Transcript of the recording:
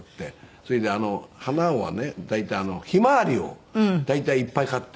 それで花はね大体ヒマワリを大体いっぱい買って。